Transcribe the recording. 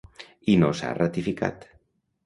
I no s’ha ratificat.